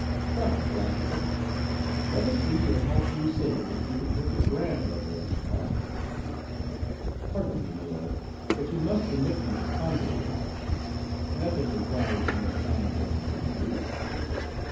"Come, philosopher: let us see in how few syllables you can put the brand on those Tapparians." "Pardon me, my lord, but you must permit me to ponder awhile; nothing requires more time, than to be brief.